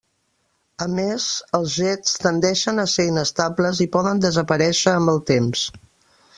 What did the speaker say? A més, els jets tendeixen a ser inestables i poden desaparèixer amb el temps.